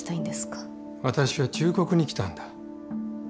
私は忠告に来たんだ。